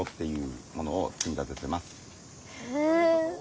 へえ。